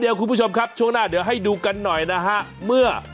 เดี๋ยวคุณผู้ชมครับช่วงหน้าเดี๋ยวให้ดูกันหน่อยนะฮะเมื่อ